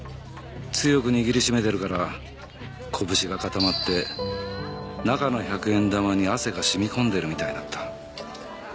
強く握り締めてるから拳が固まって中の百円玉に汗が染み込んでるみたいだった。